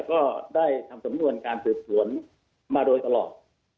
ก็ได้สำนวนการขึ้นสวนมาโดยตลอด